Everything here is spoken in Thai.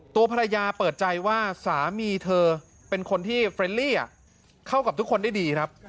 ตัวภรรยาเปิดใจว่าสามีเธอเป็นคนที่เฟรนลี่เข้ากับทุกคนได้ดีครับ